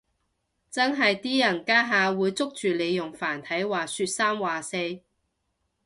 真係啲人家下會捉住你用繁體話說三話四